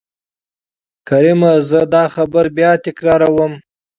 کريم :زه دا خبره بيا تکرار وم.